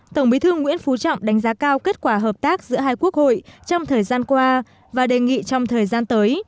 tổng bí thư nguyễn phú trọng đánh giá cao kết quả hợp tác giữa hai quốc hội trong thời gian qua và đề nghị trong thời gian tới